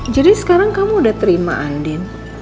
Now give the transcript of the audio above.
jadi sekarang kamu udah terima andin